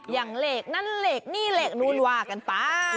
อย่างเหล็กนั้นเหล็กนี่เหล็กนู่นวากันไป